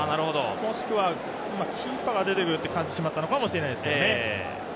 もしくはキーパーが出てくると感じてしまったのかもしれないですけど。